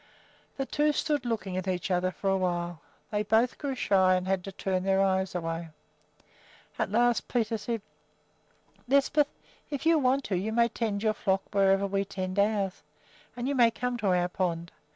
The two stood looking at each other for a while; then both grew shy and had to turn their eyes away. At last Peter said: "Lisbeth, if you want to, you may tend your flock wherever we tend ours, and you may come to our pond.